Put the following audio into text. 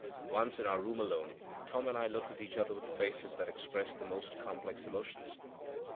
Once in our room alone, Tom and I looked at each other with faces that expressed the most complex emotions.